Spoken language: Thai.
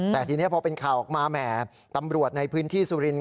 แต่ทีนี้พอเป็นข่าวออกมาแหมตำรวจในพื้นที่สุรินท